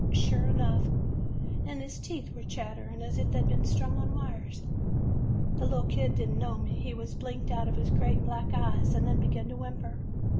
Sure enough! [ 59 ] AN EASTER LILY And his teeth were chattering as if they 'd been strung on wires. "The little kid did n't know me. He blinked out of his great black eyes, and then began to whimper.